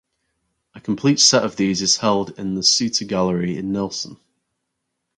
A complete set of these is held in the Suter Gallery in Nelson.